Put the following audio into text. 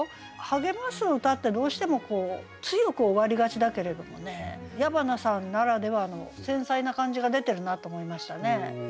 励ます歌ってどうしてもこう強く終わりがちだけれどもね矢花さんならではの繊細な感じが出てるなと思いましたね。